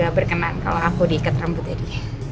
gak berkenan kalau aku diikat rambut tadi